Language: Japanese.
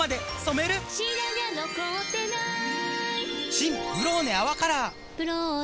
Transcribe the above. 新「ブローネ泡カラー」「ブローネ」